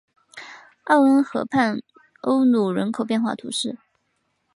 奥恩河畔欧努人口变化图示